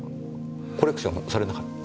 コレクションされなかった？